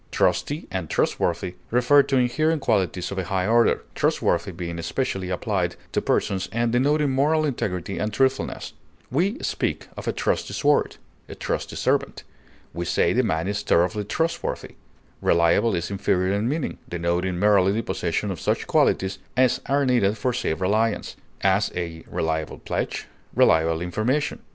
Trusty and trustworthy refer to inherent qualities of a high order, trustworthy being especially applied to persons, and denoting moral integrity and truthfulness; we speak of a trusty sword, a trusty servant; we say the man is thoroughly trustworthy. Reliable is inferior in meaning, denoting merely the possession of such qualities as are needed for safe reliance; as, a reliable pledge; reliable information.